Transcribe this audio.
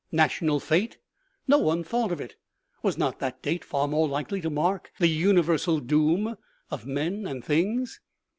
National fete ! No one thought of it. Was not that date far more likely to mark the univer sal doom of men and things